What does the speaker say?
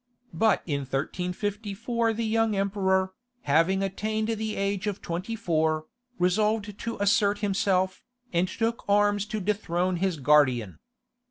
But in 1354 the young emperor, having attained the age of twenty four, resolved to assert himself, and took arms to dethrone his guardian.